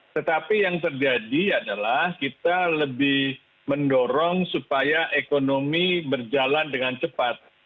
tetapi yang terjadi adalah kita lebih mendorong supaya ekonomi berjalan dengan cepat